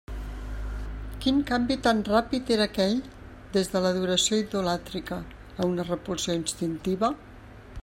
Quin canvi tan ràpid era aquell, des de l'adoració idolàtrica a una repulsió instintiva?